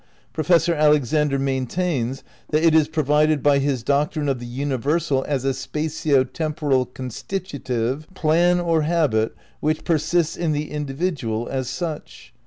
Professor Alexander maintains that it is provided by his doctrine of the universal as a spatio temporal constitutive plan or habit which persists in the individual as such.